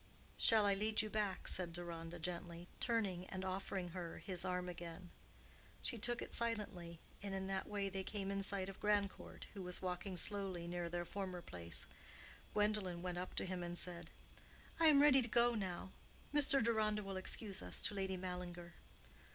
"Shall I lead you back?" said Deronda, gently, turning and offering her his arm again. She took it silently, and in that way they came in sight of Grandcourt, who was walking slowly near their former place. Gwendolen went up to him and said, "I am ready to go now. Mr. Deronda will excuse us to Lady Mallinger."